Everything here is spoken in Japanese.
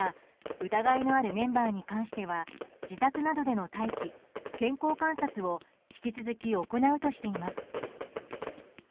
疑いのあるメンバーに関しては自宅などでの待機・健康観察を引き続き行うとしています。